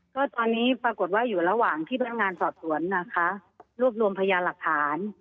ก็ตอนนี้ปรากฏว่าอยู่ระหว่างที่พนักงานสอบสวนนะคะรวบรวมพยานหลักฐาน